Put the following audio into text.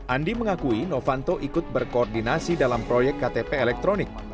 andi mengakui novanto ikut berkoordinasi dalam proyek ktp elektronik